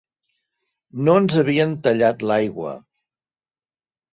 No ens havien tallat l'aigua